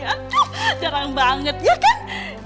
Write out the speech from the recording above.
aduh jarang banget ya kan